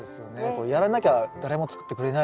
これやらなきゃ誰も作ってくれないし。